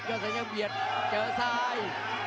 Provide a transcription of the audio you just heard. ยอดแสนเหลี่ยมเบียดเจอซ้าย